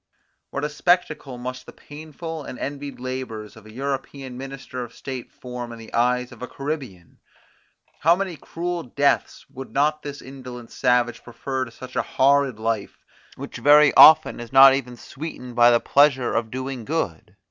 What a spectacle must the painful and envied labours of an European minister of state form in the eyes of a Caribbean! How many cruel deaths would not this indolent savage prefer to such a horrid life, which very often is not even sweetened by the pleasure of doing good?